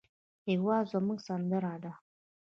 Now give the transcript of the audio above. هېواد زموږ سندره ده